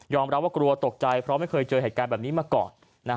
ยอมเรียกว่ากลัวตกใจเพราะไม่เคยเจอเหตุงานแบบนี้มาก่อน